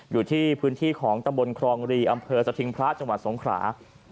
อยู่ที่พื้นที่ของตำบลครองรีอำเภอสถิงพระจังหวัดสงขรา